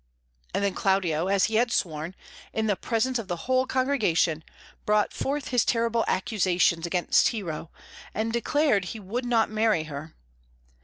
And then Claudio, as he had sworn, in the presence of the whole congregation, brought forth his terrible accusations against Hero, and declared he would not marry her.